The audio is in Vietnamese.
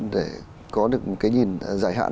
để có được cái nhìn giải hạn